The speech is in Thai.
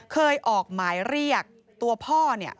เคยออกหมายเรียกตัวพ่อเนี่ย